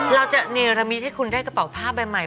เราจะเนรมิตให้คุณได้กระเป๋าผ้าใบใหม่